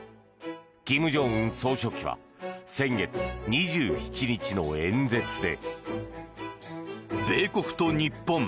金正恩総書記は先月２７日の演説で。